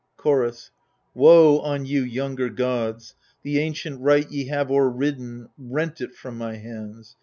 Chorus Woe on you, younger gods ! the ancient right Ye have overridden, rent it from my hands.